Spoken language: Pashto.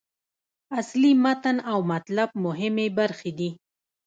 اصلي متن او مطلب مهمې برخې دي.